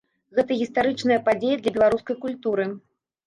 Гэта гістарычная падзея для беларускай культуры.